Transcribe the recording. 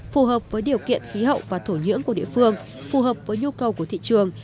phù hợp với điều kiện khí hậu và thổ nhưỡng của địa phương phù hợp với nhu cầu của thị trường